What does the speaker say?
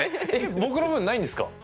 僕の分ないんですか？